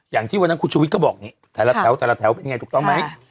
อย่างที่วันนั้นคุณชุวิสก็บอกไหนแต่ละแถวเป็นไงถูกต้องไหม